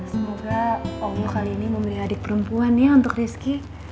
semoga allah kali ini memilih adik perempuan ya untuk rizky